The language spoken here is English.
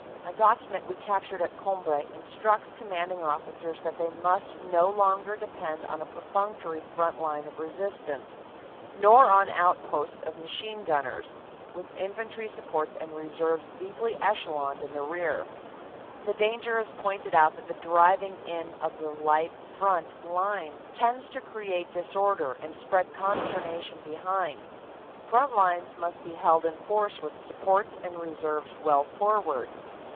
A document we captured at Cambrai instructs commanding 278 CANADA S HUNDRED DAYS officers that they must no longer depend on a perfunctory front line of resistance, nor on outposts of machine gunners, with infantry supports and reserves deeply echeloned in the rear. The danger is pointed out that the driving in of the light front line tends to create disorder and spread consternation behind. Front lines must be held in force with supports and reserves well forward.